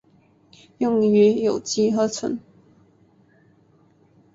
用于有机合成。